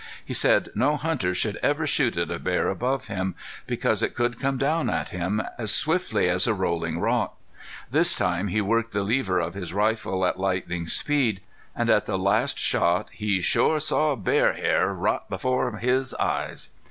He said no hunter should ever shoot at a bear above him, because it could come down at him as swiftly as a rolling rock. This time he worked the lever of his rifle at lightning speed, and at the last shot he "shore saw bear hair right before his eyes."